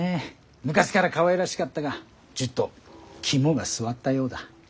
昔からかわいらしかったがちっと肝が据わったようだ。